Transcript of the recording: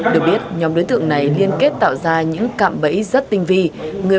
được biết nhóm đối tượng này liên kết tạo ra những cạm bẫy rất tinh vi